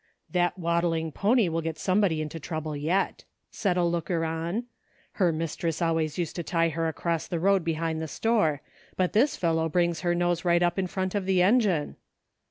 "That waddling pony will get somebody into trouble yet," said a looker on. " Her mistress always used to tie her across the road behind the store, but this fellow brings her nose right up in front of the engine."